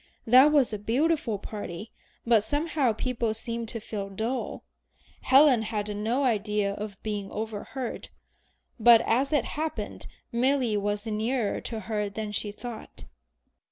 That was a beautiful party, but somehow people seemed to feel dull." Helen had no idea of being overheard, but as it happened Milly was nearer to her than she thought.